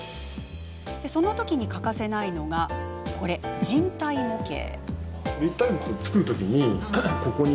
そのとき欠かせないのが、こちら人体模型。